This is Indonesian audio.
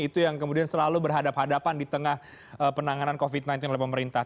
itu yang kemudian selalu berhadapan hadapan di tengah penanganan covid sembilan belas oleh pemerintah